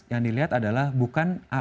yang dilihat adalah bukan